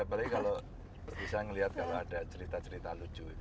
apalagi kalau bisa ngelihat kalau ada cerita cerita lucu